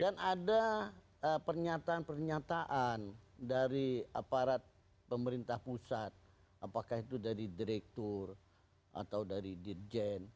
dan ada pernyataan pernyataan dari aparat pemerintah pusat apakah itu dari direktur atau dari dirjen